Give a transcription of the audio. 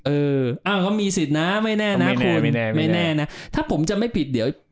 เอออ้าวเขามีสิทธิ์นะไม่แน่นะคุณไม่แน่นะถ้าผมจะไม่ผิดเดี๋ยว